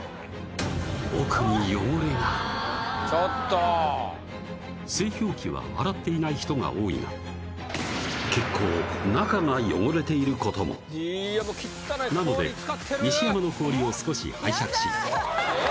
奥に汚れがちょっと製氷機は洗っていない人が多いが結構中が汚れていることもなので西山の氷を少し拝借しえっええー！